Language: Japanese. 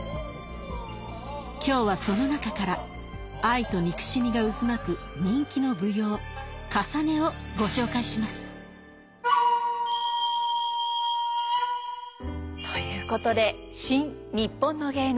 今日はその中から愛と憎しみが渦巻く人気の舞踊「かさね」をご紹介します。ということで「新・にっぽんの芸能」